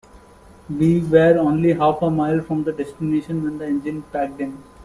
We were only half a mile from the destination when the engine packed in.